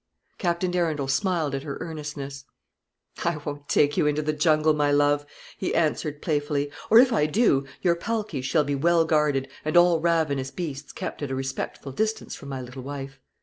Captain Arundel smiled at her earnestness. "I won't take you into the jungle, my love," he answered, playfully; "or if I do, your palki shall be well guarded, and all ravenous beasts kept at a respectful distance from my little wife.